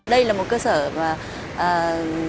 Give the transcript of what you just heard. đây là một cơ sở tập trung